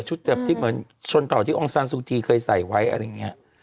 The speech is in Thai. แบบที่เหมือนชนเก่าที่องซานซูจีเคยใส่ไว้อะไรอย่างนี้